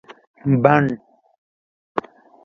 بڼ